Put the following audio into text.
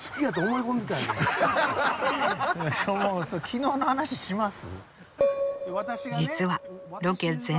もう昨日の話します？